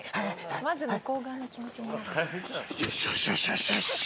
まず向こう側の気持ちになるんだ。